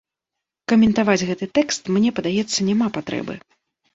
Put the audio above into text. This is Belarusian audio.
Каментаваць гэты тэкст, мне падаецца, няма патрэбы.